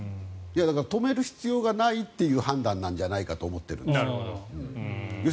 止める必要がないという判断なんじゃないかと思ってるんです。